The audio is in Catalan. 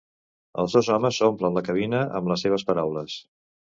Els dos homes omplen la cabina amb les seves paraules.